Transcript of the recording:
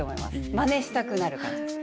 まねしたくなる感じです。